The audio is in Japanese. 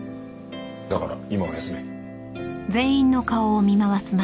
だから今は休め。